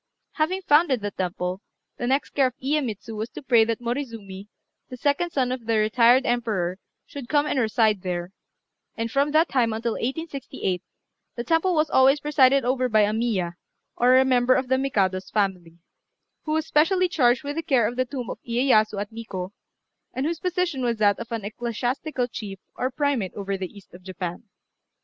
Having founded the temple, the next care of Iyémitsu was to pray that Morizumi, the second son of the retired emperor, should come and reside there; and from that time until 1868, the temple was always presided over by a Miya, or member of the Mikado's family, who was specially charged with the care of the tomb of Iyéyasu at Nikkô, and whose position was that of an ecclesiastical chief or primate over the east of Japan.